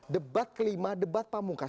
debat ke lima debat pamungkas